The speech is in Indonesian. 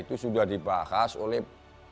itu sudah dibahas oleh